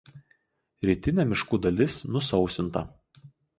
Rytinė miškų dalis nusausinta.